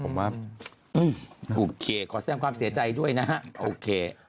ผมว่าโอเคขอแสดงความเสียใจด้วยนะฮะโอเค